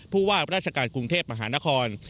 ผู้ว่าราชการกรุงเทพมหานคร